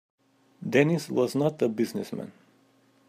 Dennis was not a business man.